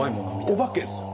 お化け。